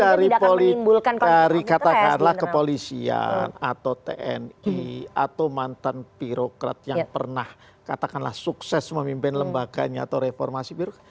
tentu dari poli dari katakanlah kepolisian atau tni atau mantan pirokrat yang pernah katakanlah sukses memimpin lembaga atau reformasi pirokrat